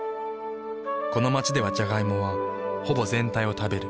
この街ではジャガイモはほぼ全体を食べる。